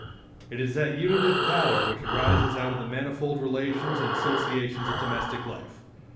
It is that unitive power which arises out of the manifold relations and associations of domestic life.